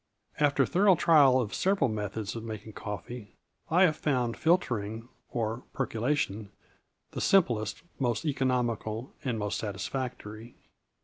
After thorough trial of several methods of making coffee, I have found filtering (or percolation) the simplest, most economical, and most satisfactory.